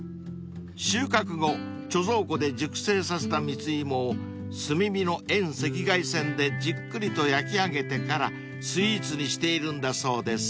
［収穫後貯蔵庫で熟成させた蜜芋を炭火の遠赤外線でじっくりと焼き上げてからスイーツにしているんだそうです］